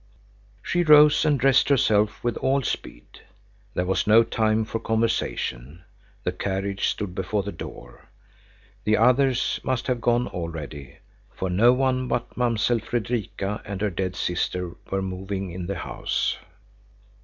She rose and dressed herself with all speed. There was no time for conversation; the carriage stood before the door. The others must have gone already, for no one but Mamsell Fredrika and her dead sister were moving in the house.